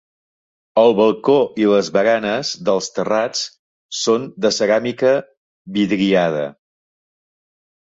El balcó i les baranes dels terrats són de ceràmica vidriada.